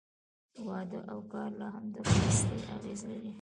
واده او کار لا هم د کاستي اغېز لري.